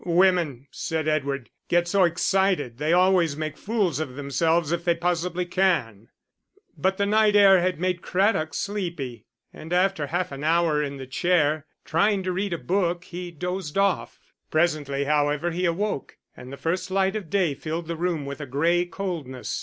"Women," said Edward, "get so excited; they always make fools of themselves if they possibly can." But the night air had made Craddock sleepy, and after half an hour in the chair, trying to read a book, he dozed off. Presently, however, he awoke, and the first light of day filled the room with a gray coldness.